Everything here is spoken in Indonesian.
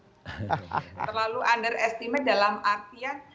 terlalu underestimate dalam artian